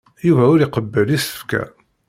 Yuba ur iqebbel isefka.